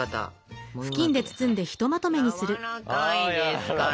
やわらかいですから。